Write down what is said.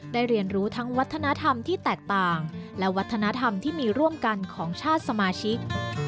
เรียนรู้ทั้งวัฒนธรรมที่แตกต่างและวัฒนธรรมที่มีร่วมกันของชาติสมาชิก